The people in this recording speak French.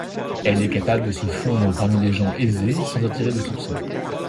Elle est capable de se fondre parmi des gens aisés sans attirer de soupçons.